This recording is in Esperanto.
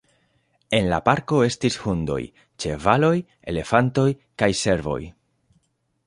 En la parko estis hundoj, ĉevaloj, elefantoj kaj servoj.